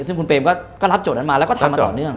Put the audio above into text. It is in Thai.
ซึ่งคุณเปรมก็รับโจทย์นั้นมาแล้วก็ทำมาต่อเนื่อง